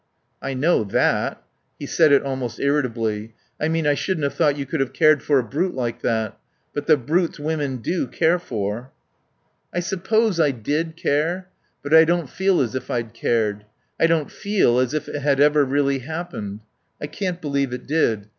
"I know that." He said it almost irritably. "I mean I shouldn't have thought you could have cared for a brute like that.... But the brutes women do care for ..." "I suppose I did care. But I don't feel as if I'd cared. I don't feel as if it had ever really happened. I can't believe it did.